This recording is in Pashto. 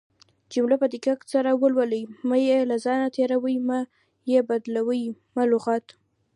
جمله په دقت سره ولولٸ مه يې له ځانه تيروٸ، مه يې بدالوۍ، مه لغت